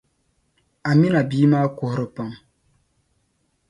Amina bia maa kuhiri pam.